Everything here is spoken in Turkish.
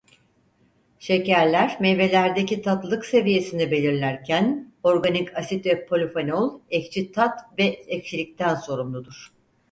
Şekerler meyvelerdeki tatlılık seviyesini belirlerken organik asit ve polifenol ekşi tat ve ekşilikten sorumludur.